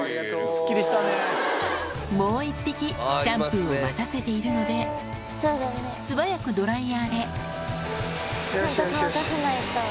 もう１匹シャンプーを待たせているので素早くドライヤーでよしよしよし。